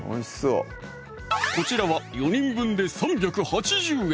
こちらは４人分で３８０円